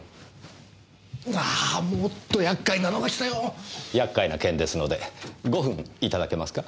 ああもっと厄介なのが来たよ！厄介な件ですので５分いただけますか？